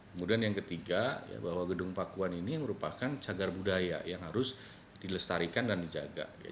kemudian yang ketiga bahwa gedung pakuan ini merupakan cagar budaya yang harus dilestarikan dan dijaga